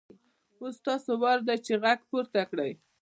اوس ستاسو وار دی چې غږ پورته کړئ.